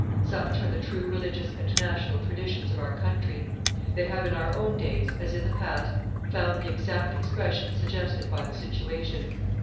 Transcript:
Such are the true religious and national traditions of our country. They have in our own days, as in the past, found the exact expression suggested by the situation.